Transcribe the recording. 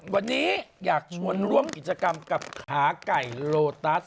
วันนี้อยากชวนร่วมกิจกรรมกับขาไก่โลตัส